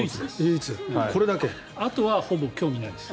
あとはほぼ興味ないです。